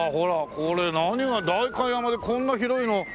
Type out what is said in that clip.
これ何が代官山でこんな広いの。